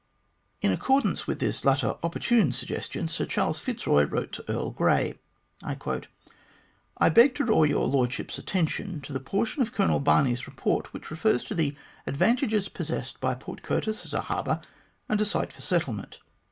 In accordance with this latter opportune suggestion, Sir Charles Fitzroy wrote to Earl Grey : "I beg to draw your Lordship's attention to that portion of Colonel Barney's report which refers to the advantages possessed by Port Curtis as a harbour and site for a settlement.